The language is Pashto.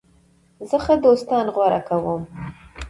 زه ښه دوستان غوره کوم.